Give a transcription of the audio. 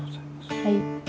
はい。